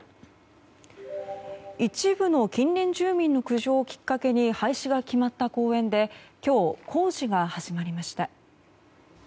一部の近隣住民の苦情をきっかけに廃止が決まった公園で今日、工事が始まりました。